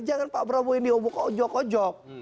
jangan pak prabowo yang dihobok hobok